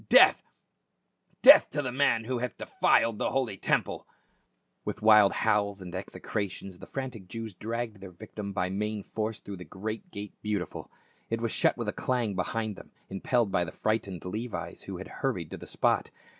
" Death — death to the man who hath defiled the holy temple !" With wild howls and execrations the frantic Jews dragged their victim by main force through the great gate " Beautiful." It shut with a clang behind them, impelled by the frightened Levites who had hurried to the spot.